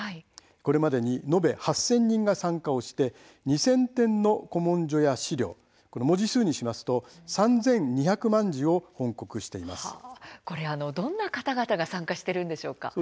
これまでに延べ８０００人が参加して２０００点の古文書や史料文字数にしますとこれはどんな方々が参加しているんでしょうか。